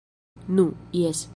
Nu, Jes.